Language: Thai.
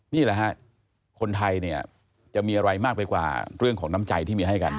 นี่แหละฮะคนไทยเนี่ยจะมีอะไรมากไปกว่าเรื่องของน้ำใจที่มีให้กัน